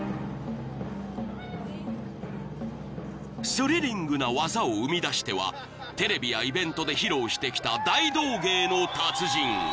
［スリリングな技を生み出してはテレビやイベントで披露してきた大道芸の達人］